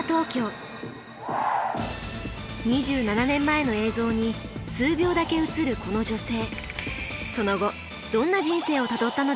２７年前の映像に数秒だけ映るこの女性。